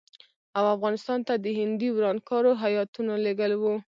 او افغانستان ته د هندي ورانکارو هیاتونه لېږل وو.